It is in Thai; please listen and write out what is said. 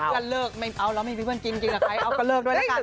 อ๋อเพื่อนเลิกเอาเราไม่มีเพื่อนกินกับใครเอาก็เลิกด้วยละกัน